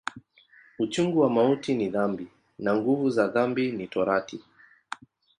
Uchungu wa mauti ni dhambi, na nguvu za dhambi ni Torati.